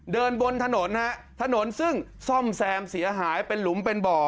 บนถนนฮะถนนซึ่งซ่อมแซมเสียหายเป็นหลุมเป็นบ่อ